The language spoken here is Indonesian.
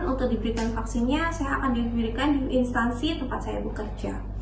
untuk diberikan vaksinnya saya akan didirikan di instansi tempat saya bekerja